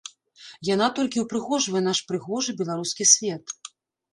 Яна толькі ўпрыгожвае наш прыгожы беларускі свет.